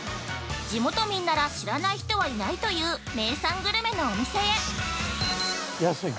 地元民なら知らない人はいないという名産グルメの店へ。